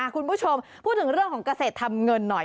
คุณผู้ชมพูดถึงเรื่องของเกษตรทำเงินหน่อย